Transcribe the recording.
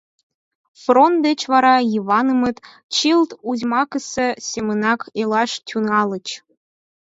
Фронт деч вара Йыванмыт чылт узьмакысе семынак илаш тӱҥальыч.